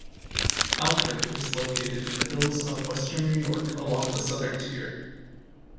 Alfred is located in the hills of western New York along the Southern Tier.